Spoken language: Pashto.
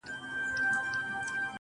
ستا په تعويذ كي به خپل زړه وويني.